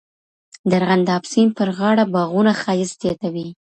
د ارغنداب سیند پر غاړه باغونه ښایست زیاتوي.